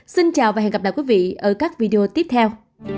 xin chào và hẹn gặp lại quý vị ở các video tiếp theo